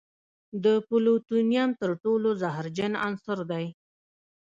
د پلوتونیم تر ټولو زهرجن عنصر دی.